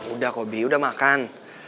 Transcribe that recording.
udah kok bi udah makan